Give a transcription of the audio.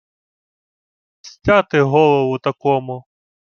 — Стяти голову такому!